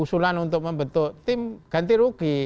usulan untuk membentuk tim ganti rugi